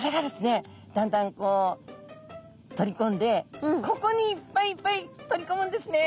だんだんこう取りこんでここにいっぱいいっぱい取りこむんですね。